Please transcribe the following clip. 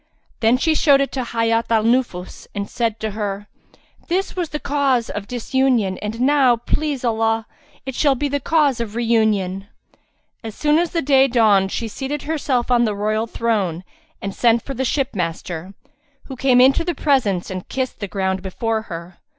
Then she showed it to Hayat al Nufus and said to her, "This was the cause of disunion and now, please Allah, it shall be the cause of reunion." As soon as day dawned she seated herself on the royal throne and sent for the ship master, who came into the presence and kissed the ground before her.